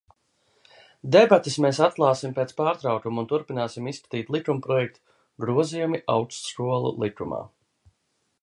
"Debates mēs atklāsim pēc pārtraukuma un turpināsim izskatīt likumprojektu "Grozījumi Augstskolu likumā"."